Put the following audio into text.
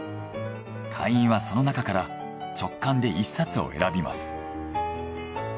会員はその中から直感で１冊を選びます。